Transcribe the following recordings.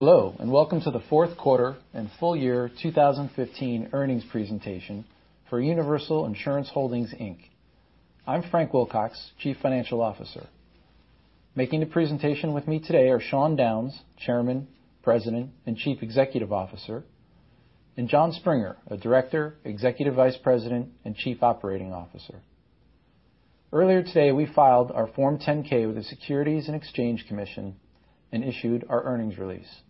Hello, welcome to the fourth quarter and full year 2015 earnings presentation for Universal Insurance Holdings, Inc. I'm Frank Wilcox, Chief Financial Officer. Making the presentation with me today are Sean Downes, Chairman, President, and Chief Executive Officer, and Jon Springer, a Director, Executive Vice President, and Chief Operating Officer. Earlier today, we filed our Form 10-K with the Securities and Exchange Commission and issued our earnings release.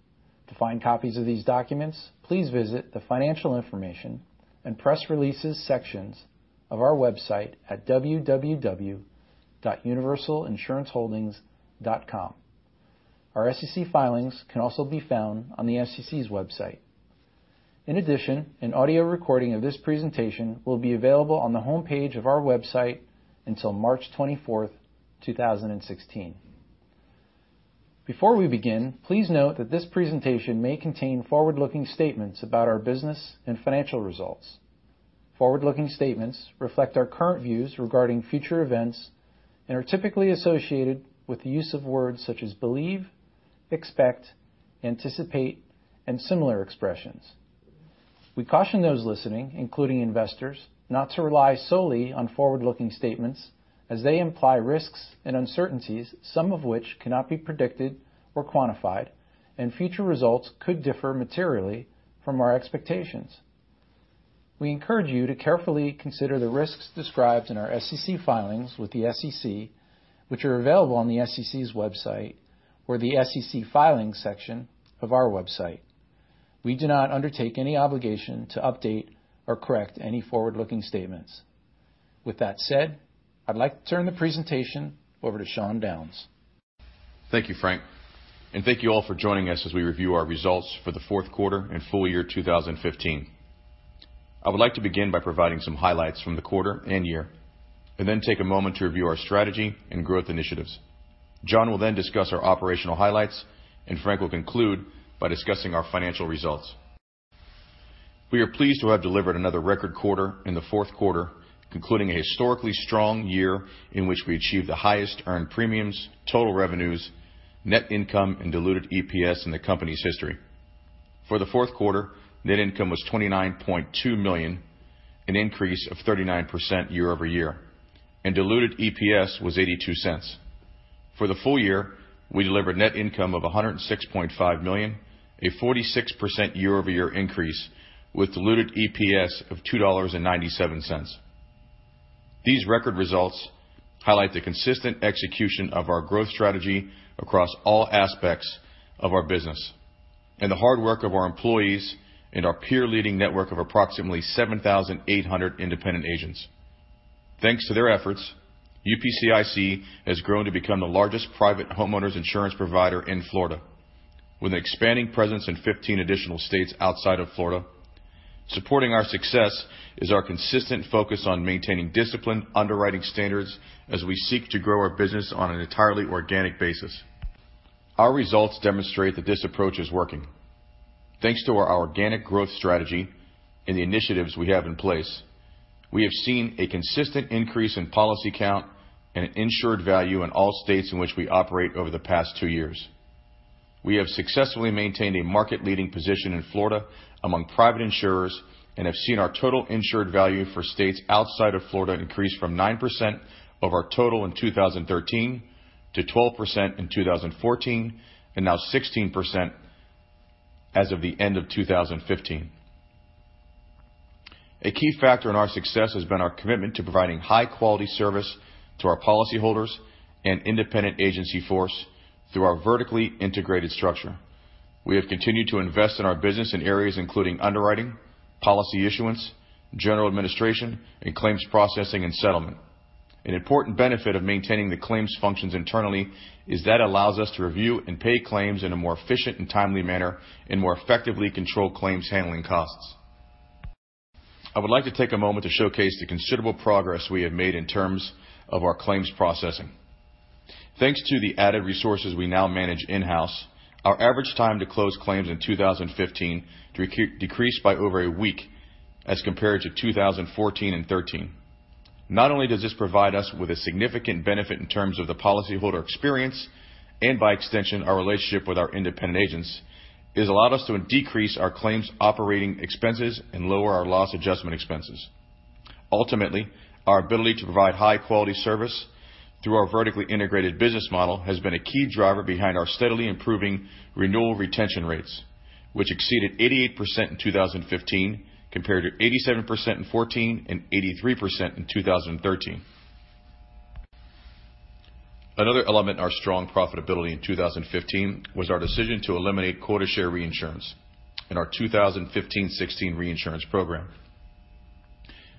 To find copies of these documents, please visit the Financial Information and Press Releases sections of our website at www.universalinsuranceholdings.com. Our SEC filings can also be found on the SEC's website. In addition, an audio recording of this presentation will be available on the homepage of our website until March 24th, 2016. Before we begin, please note that this presentation may contain forward-looking statements about our business and financial results. Forward-looking statements reflect our current views regarding future events, are typically associated with the use of words such as believe, expect, anticipate, and similar expressions. We caution those listening, including investors, not to rely solely on forward-looking statements as they imply risks and uncertainties, some of which cannot be predicted or quantified. Future results could differ materially from our expectations. We encourage you to carefully consider the risks described in our SEC filings with the SEC, which are available on the SEC's website or the SEC Filings section of our website. We do not undertake any obligation to update or correct any forward-looking statements. With that said, I'd like to turn the presentation over to Sean Downes. Thank you, Frank. Thank you all for joining us as we review our results for the fourth quarter and full year 2015. I would like to begin by providing some highlights from the quarter and year, then take a moment to review our strategy and growth initiatives. Jon will then discuss our operational highlights. Frank will conclude by discussing our financial results. We are pleased to have delivered another record quarter in the fourth quarter, concluding a historically strong year in which we achieved the highest earned premiums, total revenues, net income, and diluted EPS in the company's history. For the fourth quarter, net income was $29.2 million, an increase of 39% year-over-year. Diluted EPS was $0.82. For the full year, we delivered net income of $106.5 million, a 46% year-over-year increase with diluted EPS of $2.97. These record results highlight the consistent execution of our growth strategy across all aspects of our business and the hard work of our employees and our peer-leading network of approximately 7,800 independent agents. Thanks to their efforts, UPCIC has grown to become the largest private homeowners insurance provider in Florida, with an expanding presence in 15 additional states outside of Florida. Supporting our success is our consistent focus on maintaining disciplined underwriting standards as we seek to grow our business on an entirely organic basis. Our results demonstrate that this approach is working. Thanks to our organic growth strategy and the initiatives we have in place, we have seen a consistent increase in policy count and an insured value in all states in which we operate over the past two years. We have successfully maintained a market-leading position in Florida among private insurers and have seen our total insured value for states outside of Florida increase from 9% of our total in 2013 to 12% in 2014, and now 16% as of the end of 2015. A key factor in our success has been our commitment to providing high-quality service to our policyholders and independent agency force through our vertically integrated structure. We have continued to invest in our business in areas including underwriting, policy issuance, general administration, and claims processing and settlement. An important benefit of maintaining the claims functions internally is that allows us to review and pay claims in a more efficient and timely manner and more effectively control claims handling costs. I would like to take a moment to showcase the considerable progress we have made in terms of our claims processing. Thanks to the added resources we now manage in-house, our average time to close claims in 2015 decreased by over a week as compared to 2014 and 2013. Not only does this provide us with a significant benefit in terms of the policyholder experience, and by extension, our relationship with our independent agents, it has allowed us to decrease our claims operating expenses and lower our loss adjustment expenses. Ultimately, our ability to provide high-quality service through our vertically integrated business model has been a key driver behind our steadily improving renewal retention rates, which exceeded 88% in 2015 compared to 87% in 2014 and 83% in 2013. Another element in our strong profitability in 2015 was our decision to eliminate quota share reinsurance in our 2015-2016 reinsurance program.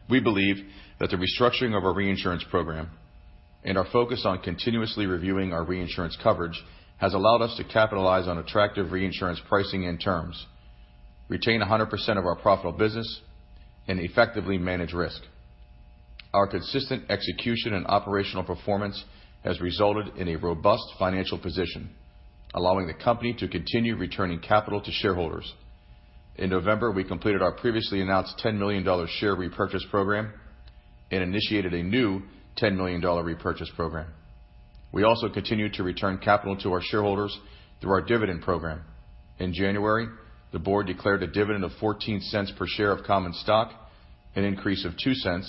We believe that the restructuring of our reinsurance program and our focus on continuously reviewing our reinsurance coverage has allowed us to capitalize on attractive reinsurance pricing and terms, retain 100% of our profitable business, and effectively manage risk. Our consistent execution and operational performance has resulted in a robust financial position, allowing the company to continue returning capital to shareholders. In November, we completed our previously announced $10 million share repurchase program and initiated a new $10 million repurchase program. We also continued to return capital to our shareholders through our dividend program. In January, the board declared a dividend of $0.14 per share of common stock, an increase of $0.02,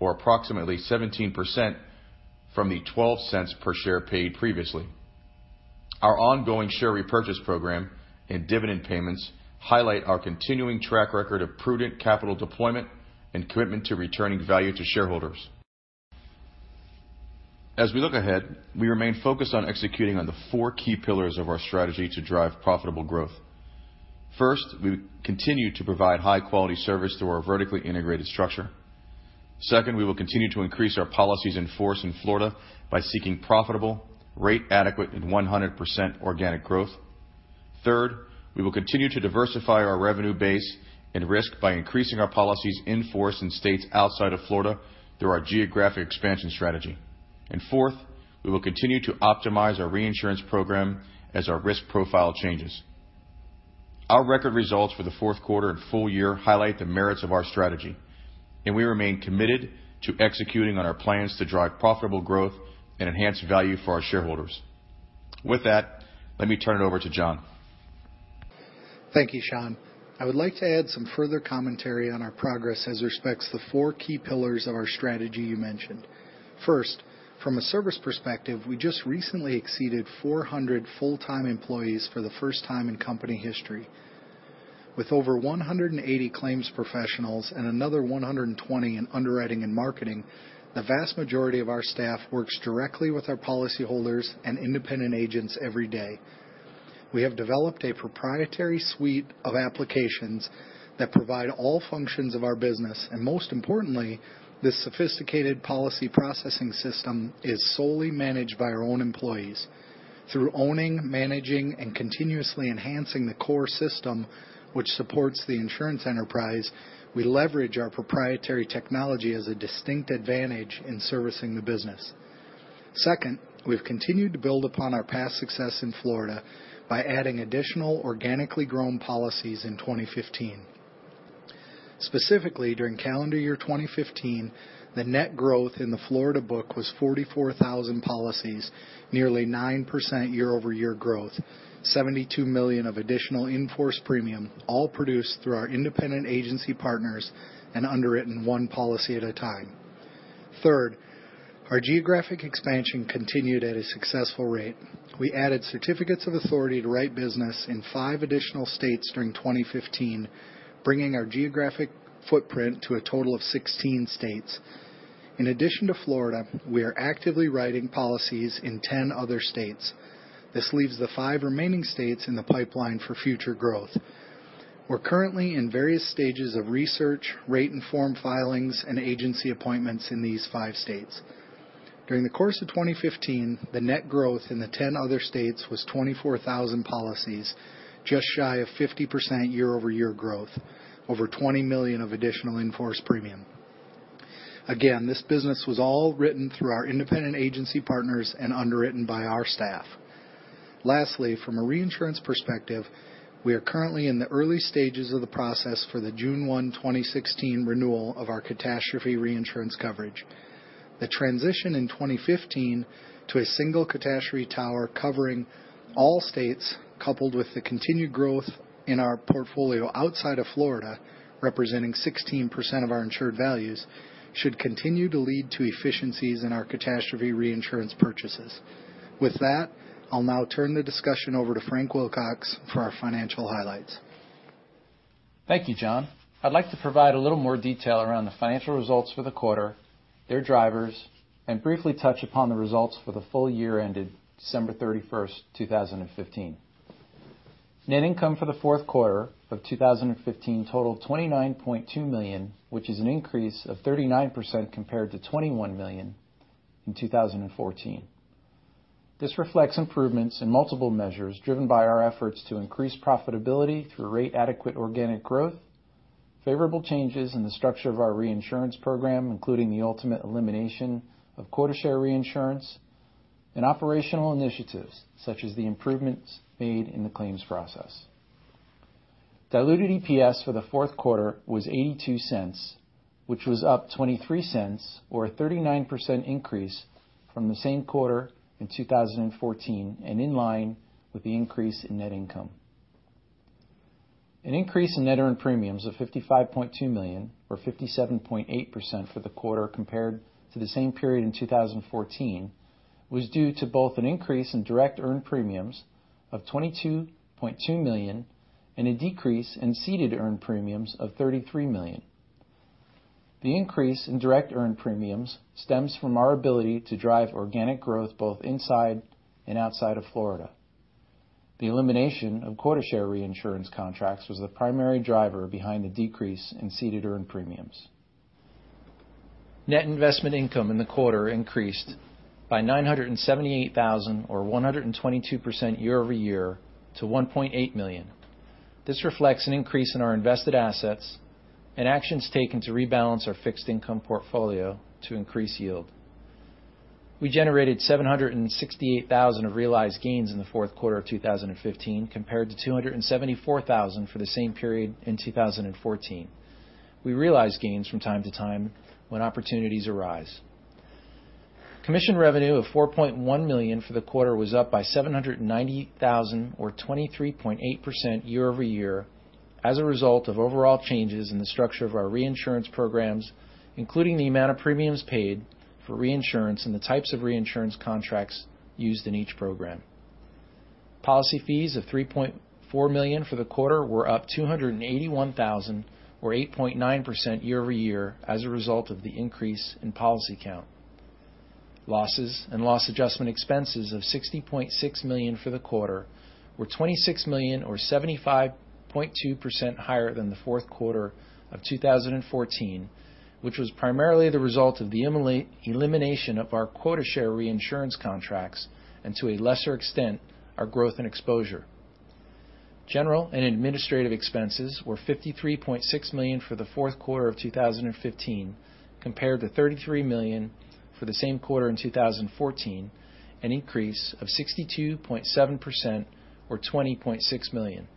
or approximately 17% from the $0.12 per share paid previously. Our ongoing share repurchase program and dividend payments highlight our continuing track record of prudent capital deployment and commitment to returning value to shareholders. As we look ahead, we remain focused on executing on the four key pillars of our strategy to drive profitable growth. First, we continue to provide high-quality service through our vertically integrated structure. Second, we will continue to increase our policies in force in Florida by seeking profitable rate adequate and 100% organic growth. Third, we will continue to diversify our revenue base and risk by increasing our policies in force in states outside of Florida through our geographic expansion strategy. Fourth, we will continue to optimize our reinsurance program as our risk profile changes. Our record results for the fourth quarter and full year highlight the merits of our strategy, and we remain committed to executing on our plans to drive profitable growth and enhance value for our shareholders. With that, let me turn it over to Jon. Thank you, Sean. I would like to add some further commentary on our progress as respects the four key pillars of our strategy you mentioned. First, from a service perspective, we just recently exceeded 400 full-time employees for the first time in company history. With over 180 claims professionals and another 120 in underwriting and marketing, the vast majority of our staff works directly with our policyholders and independent agents every day. We have developed a proprietary suite of applications that provide all functions of our business, and most importantly, this sophisticated policy processing system is solely managed by our own employees. Through owning, managing, and continuously enhancing the core system which supports the insurance enterprise, we leverage our proprietary technology as a distinct advantage in servicing the business. Second, we've continued to build upon our past success in Florida by adding additional organically grown policies in 2015. Specifically, during calendar year 2015, the net growth in the Florida book was 44,000 policies, nearly 9% year-over-year growth, $72 million of additional in-force premium, all produced through our independent agency partners and underwritten one policy at a time. Third, our geographic expansion continued at a successful rate. We added certificates of authority to write business in five additional states during 2015, bringing our geographic footprint to a total of 16 states. In addition to Florida, we are actively writing policies in 10 other states. This leaves the five remaining states in the pipeline for future growth. We're currently in various stages of research, rate and form filings, and agency appointments in these five states. During the course of 2015, the net growth in the 10 other states was 24,000 policies, just shy of 50% year-over-year growth, over $20 million of additional in-force premium. Again, this business was all written through our independent agency partners and underwritten by our staff. Lastly, from a reinsurance perspective, we are currently in the early stages of the process for the June 1, 2016, renewal of our catastrophe reinsurance coverage. The transition in 2015 to a single catastrophe tower covering all states, coupled with the continued growth in our portfolio outside of Florida, representing 16% of our insured values, should continue to lead to efficiencies in our catastrophe reinsurance purchases. With that, I'll now turn the discussion over to Frank Wilcox for our financial highlights. Thank you, John. I'd like to provide a little more detail around the financial results for the quarter, their drivers, and briefly touch upon the results for the full year ended December 31st, 2015. Net income for the fourth quarter of 2015 totaled $29.2 million, which is an increase of 39% compared to $21 million in 2014. This reflects improvements in multiple measures driven by our efforts to increase profitability through rate adequate organic growth, favorable changes in the structure of our reinsurance program, including the ultimate elimination of quota share reinsurance, and operational initiatives, such as the improvements made in the claims process. Diluted EPS for the fourth quarter was $0.82, which was up $0.23 or a 39% increase from the same quarter in 2014 and in line with the increase in net income. An increase in net earned premiums of $55.2 million or 57.8% for the quarter compared to the same period in 2014 was due to both an increase in direct earned premiums of $22.2 million and a decrease in ceded earned premiums of $33 million. The increase in direct earned premiums stems from our ability to drive organic growth both inside and outside of Florida. The elimination of quota share reinsurance contracts was the primary driver behind the decrease in ceded earned premiums. Net investment income in the quarter increased by $978,000, or 122% year-over-year to $1.8 million. This reflects an increase in our invested assets and actions taken to rebalance our fixed income portfolio to increase yield. We generated $768,000 of realized gains in the fourth quarter of 2015, compared to $274,000 for the same period in 2014. We realize gains from time to time when opportunities arise. Commission revenue of $4.1 million for the quarter was up by $790,000, or 23.8% year-over-year as a result of overall changes in the structure of our reinsurance programs, including the amount of premiums paid for reinsurance and the types of reinsurance contracts used in each program. Policy fees of $3.4 million for the quarter were up $281,000 or 8.9% year-over-year as a result of the increase in policy count. Losses and loss adjustment expenses of $60.6 million for the quarter were $26 million or 75.2% higher than the fourth quarter of 2014, which was primarily the result of the elimination of our quota share reinsurance contracts and, to a lesser extent, our growth in exposure. General and administrative expenses were $53.6 million for the fourth quarter of 2015 compared to $33 million for the same quarter in 2014, an increase of 62.7% or $20.6 million.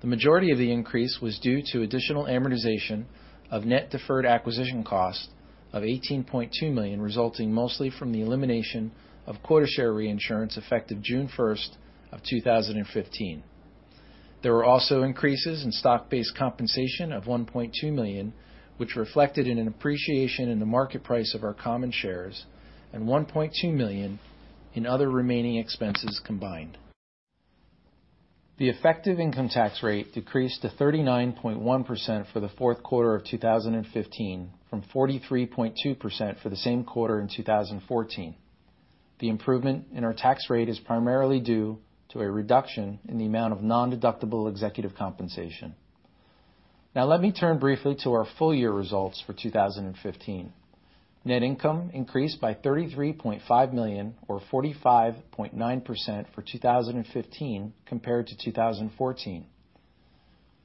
The majority of the increase was due to additional amortization of net deferred acquisition cost of $18.2 million, resulting mostly from the elimination of quota share reinsurance effective June 1, 2015. There were also increases in stock-based compensation of $1.2 million, which reflected in an appreciation in the market price of our common shares and $1.2 million in other remaining expenses combined. The effective income tax rate decreased to 39.1% for the fourth quarter of 2015 from 43.2% for the same quarter in 2014. The improvement in our tax rate is primarily due to a reduction in the amount of nondeductible executive compensation. Let me turn briefly to our full year results for 2015. Net income increased by $33.5 million or 45.9% for 2015 compared to 2014.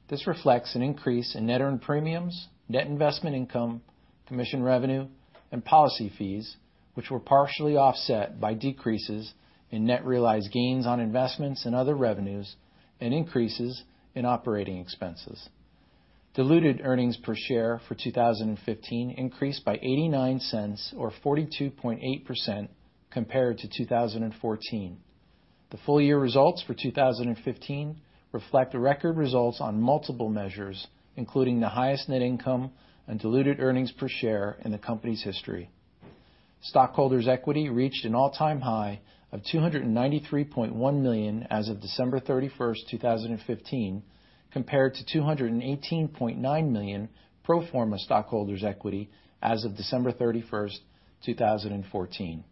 This reflects an increase in net earned premiums, net investment income, commission revenue, and policy fees, which were partially offset by decreases in net realized gains on investments and other revenues and increases in operating expenses. Diluted earnings per share for 2015 increased by $0.89 or 42.8% compared to 2014. The full year results for 2015 reflect the record results on multiple measures, including the highest net income and diluted earnings per share in the company's history. Stockholders' equity reached an all-time high of $293.1 million as of December 31, 2015, compared to $218.9 million pro forma stockholders' equity as of December 31, 2014.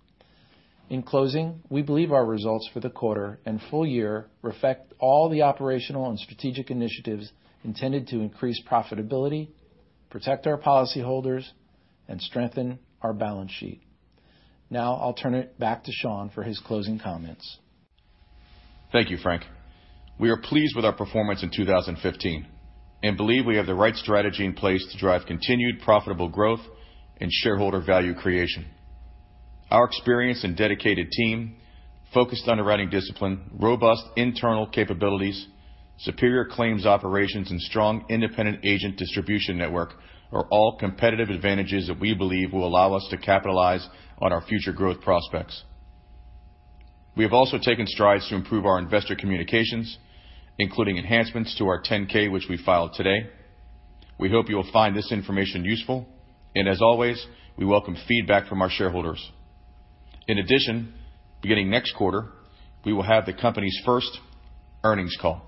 In closing, we believe our results for the quarter and full year reflect all the operational and strategic initiatives intended to increase profitability, protect our policyholders, and strengthen our balance sheet. I'll turn it back to Sean for his closing comments. Thank you, Frank. We are pleased with our performance in 2015 and believe we have the right strategy in place to drive continued profitable growth and shareholder value creation. Our experienced and dedicated team, focused underwriting discipline, robust internal capabilities, superior claims operations, and strong independent agent distribution network are all competitive advantages that we believe will allow us to capitalize on our future growth prospects. We have also taken strides to improve our investor communications, including enhancements to our 10-K, which we filed today. We hope you will find this information useful, and as always, we welcome feedback from our shareholders. In addition, beginning next quarter, we will have the company's first earnings call.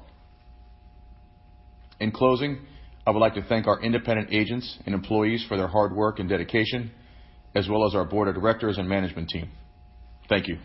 In closing, I would like to thank our independent agents and employees for their hard work and dedication, as well as our board of directors and management team. Thank you.